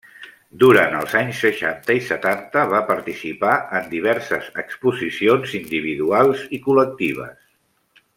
Durant els anys seixanta i setanta va participar en diverses exposicions individuals i col·lectives.